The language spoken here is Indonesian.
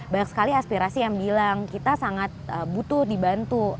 banyak sekali aspirasi yang bilang kita sangat butuh dibantu